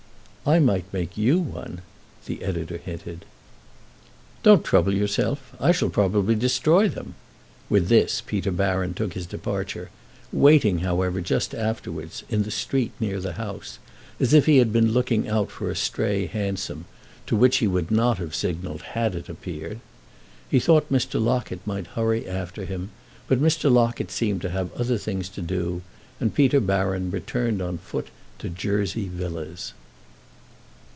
"I might make you one," the editor hinted. "Don't trouble yourself; I shall probably destroy them." With this Peter Baron took his departure, waiting however just afterwards, in the street near the house, as if he had been looking out for a stray hansom, to which he would not have signalled had it appeared. He thought Mr. Locket might hurry after him, but Mr. Locket seemed to have other things to do, and Peter Baron returned on foot to Jersey Villas.